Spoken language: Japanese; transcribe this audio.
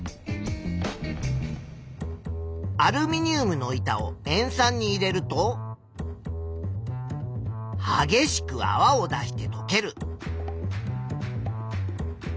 アルミニウムの板を塩酸に入れるとはげしくあわを出してとける。